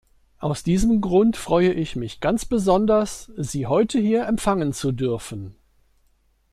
Aus diesem Grund freue mich ganz besonders, Sie heute hier empfangen zu dürfen.